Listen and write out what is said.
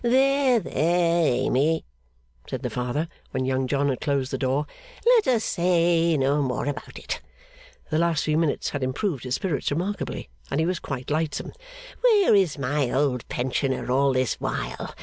'There, there, Amy!' said the Father, when Young John had closed the door, 'let us say no more about it.' The last few minutes had improved his spirits remarkably, and he was quite lightsome. 'Where is my old pensioner all this while?